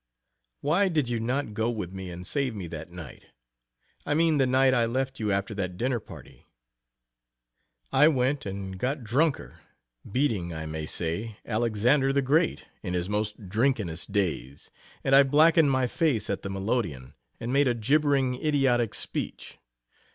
Why did you not go with me and save me that night? I mean the night I left you after that dinner party. I went and got drunker, beating, I may say, Alexander the Great, in his most drinkinist days, and I blackened my face at the Melodeon, and made a gibbering, idiotic speech.